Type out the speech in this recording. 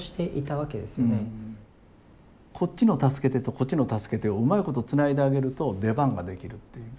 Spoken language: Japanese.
こっちの「助けて」とこっちの「助けて」をうまいことつないであげると出番ができるっていう。